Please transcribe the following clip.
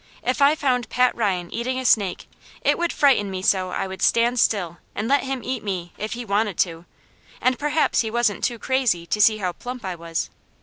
If I found Pat Ryan eating a snake, it would frighten me so I would stand still and let him eat me, if he wanted to, and perhaps he wasn't too crazy to see how plump I was.